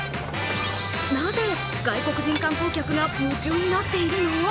なぜ外国人観光客が夢中になっているの？